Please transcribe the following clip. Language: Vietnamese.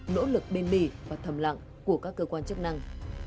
nỗ lực bên bỉ và thầm lặng của các cơ quan chức năng